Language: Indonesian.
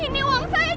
ada apa itu